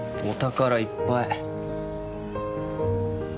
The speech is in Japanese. お宝いっぱい。